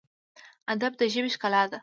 ادب د ژبې ښکلا ده